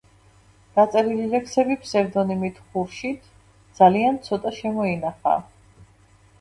დაწერილი ლექსები ფსევდონიმით „ხურშიდ“ ძალიან ცოტა შემოინახა.